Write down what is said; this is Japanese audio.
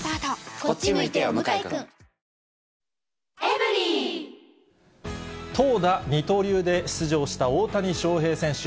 「メリット」投打二刀流で出場した大谷翔平選手。